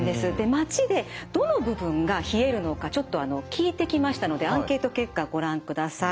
街でどの部分が冷えるのかちょっと聞いてきましたのでアンケート結果ご覧ください。